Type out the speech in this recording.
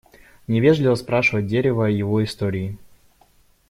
Невежливо спрашивать дерево о его истории.